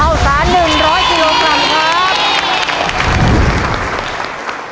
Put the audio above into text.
เท่าสารหนึ่งร้อยกิโลกรัมครับ